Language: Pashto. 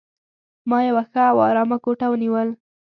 ما یوه ښه او آرامه کوټه ونیول.